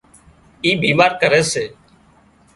اي بيمار ڪري سي